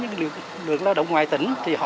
những lượng lao động ngoài tỉnh thì họ